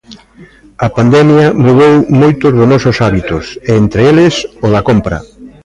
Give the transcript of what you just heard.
A pandemia mudou moitos dos nosos hábitos, e entre eles o da compra.